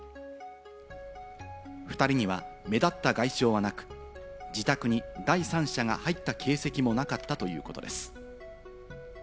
２人には目立った外傷はなく、自宅に第三者が入った形跡もなかったということです。